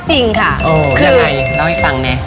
ถ้าไงเล่าให้ฟังหน่อย